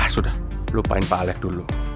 sudah lupain pak alex dulu